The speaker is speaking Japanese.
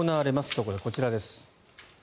そこでこちらです。